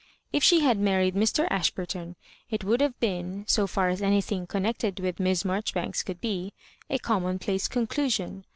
K she had married Mr. Ashburton it would have been (so far as anything connected with Miss Marjoribanks could be) a conmionplace conclusion.